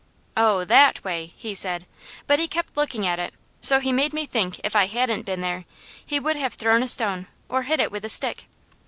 "Oh THAT way," he said, but he kept looking at it, so he made me think if I hadn't been there, he would have thrown a stone or hit it with a stick.